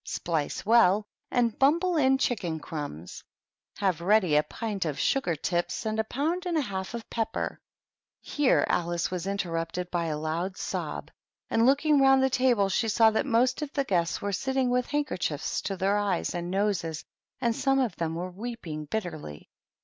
Splice well and bumble in chicken crumbs. Have ready a pint of sugar tips and a pound and a half of pepper " Here Alice was interrupted by a loud sob, and, looking round the table, she saw that most of the guests were sitting with handkerchiefs to their eyes and noses, and some of them were weeping bitterly.